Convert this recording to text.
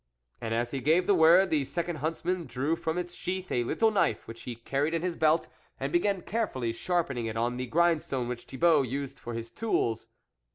And as he gave the word, the second huntsman drew from its sheath a little knife which he carried in his belt, and began carefully sharpening it on the grind stone which Thibault used for his tools.